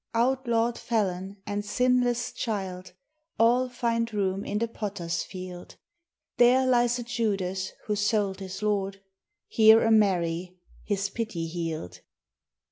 Outlawed felon and sinless child All find room in the Potter's Field. There lies a Judas who sold his Lord, Here a Mary, His pity healed.